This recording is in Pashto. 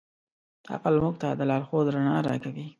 عقل موږ ته د لارښود رڼا راکوي.